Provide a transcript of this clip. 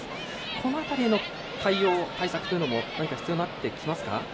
この辺りの対応対策は必要になってきますか？